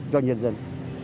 cho nhân dân